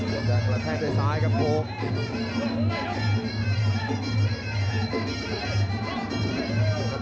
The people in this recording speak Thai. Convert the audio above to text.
ส่วนแดงกระแทงด้วยซ้ายครับครับ